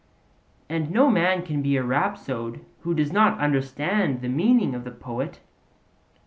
And no man can be a rhapsode who does not understand the meaning of the poet.